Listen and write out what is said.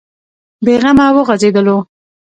بې غمه وغځېدلو.